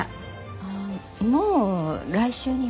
ああもう来週には。